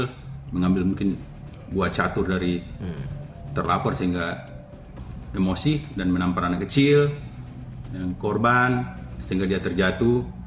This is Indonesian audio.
saya mengambil mungkin buah catur dari terlapor sehingga emosi dan menampar anak kecil korban sehingga dia terjatuh